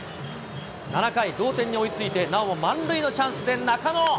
７回、同点に追いついてなおも満塁のチャンスでなかの。